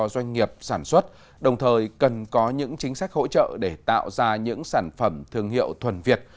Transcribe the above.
doanh nghiệp sản xuất đồng thời cần có những chính sách hỗ trợ để tạo ra những sản phẩm thương hiệu thuần việt